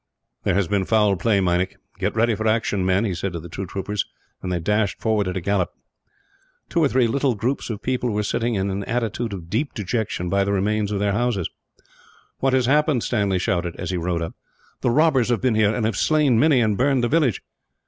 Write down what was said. "There has been foul play, Meinik. "Get ready for action, men," he said to the two troopers, and they dashed forward at a gallop. Two or three little groups of people were sitting, in an attitude of deep dejection, by the remains of their houses. "What has happened?" Stanley shouted, as he rode up. "The robbers have been here, and have slain many, and burned the village."